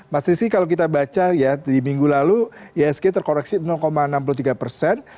mas rizky kalau kita baca ya di minggu lalu ihsg terkoreksi enam puluh tiga persen